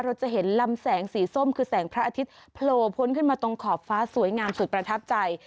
เราจะเห็นลำแสงสีส้มคือแสงพระอาทิตย์โผล่พ้นขึ้นมาตรงขอบฟ้าสวยงามสุดประทับใจ